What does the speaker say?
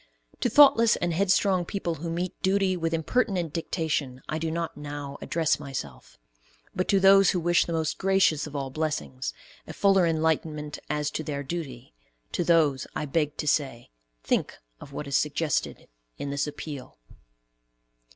To thoughtless and headstrong people who meet duty with impertinent dictation I do not now address myself; but to those who wish the most gracious of all blessings, a fuller enlightment as to their duty, to those I beg to say, think of what is suggested in this appeal.